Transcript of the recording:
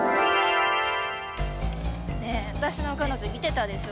ねえ私の彼女見てたでしょ？